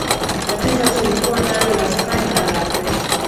tatizo tulikuwa nalo la sukari na la pressure